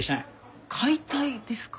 解体ですか？